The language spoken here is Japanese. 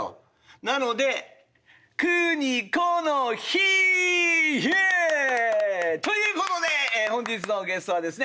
なのでＹｅａｈ！ということで本日のゲストはですね